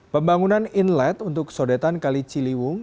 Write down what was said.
pembangunan inlet untuk sodetan kali ciliwung